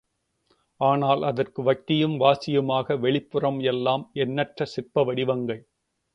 ஆனால், அதற்கு வட்டியும் வாசியுமாக, வெளிப்புறம் எல்லாம் எண்ணற்ற சிற்ப வடிவங்கள்.